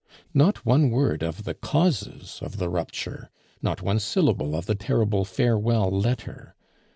Not one word of the causes of the rupture! not one syllable of the terrible farewell letter!